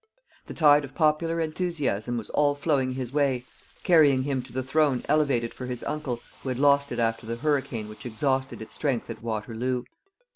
The tide of popular enthusiasm was all flowing his way, carrying him to the Throne elevated for his uncle who had lost it after the hurricane which exhausted its strength at Waterloo.